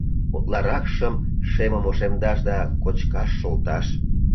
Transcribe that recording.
Утларакшым — шемым ошемдаш да кочкаш шолташ.